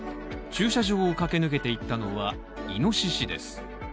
駐車場を駆け抜けていったのはいのししです。